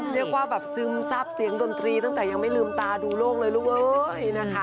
เรียกว่าเสียงโดนตรีตั้งแต่ยังไม่ลืมตาดูโลกเลยด้วย